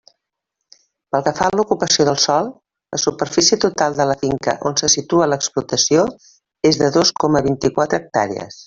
Pel que fa a l'ocupació de sòl, la superfície total de la finca on se situa l'explotació és de dos coma vint-i-quatre hectàrees.